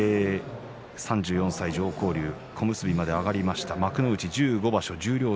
３４歳常幸龍、小結まで上がりました、幕内１５場所十両